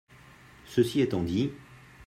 Ceci étant dit…